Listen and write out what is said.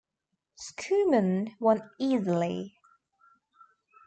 Schuhmann won easily.